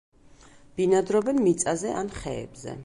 ბინადრობენ მიწაზე ან ხეებზე.